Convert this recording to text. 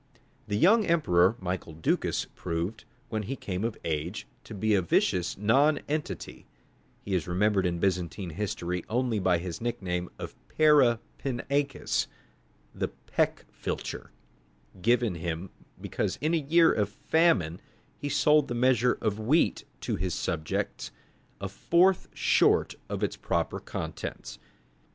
The young emperor, Michael Ducas, proved, when he came of age, to be a vicious nonentity; he is remembered in Byzantine history only by his nickname of Para pinakes, the "peck filcher," given him because in a year of famine he sold the measure of wheat to his subjects a fourth short of its proper contents.